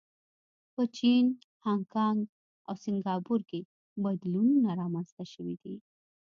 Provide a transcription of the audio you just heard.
په چین، هانکانګ او سنګاپور کې بدلونونه رامنځته شوي دي.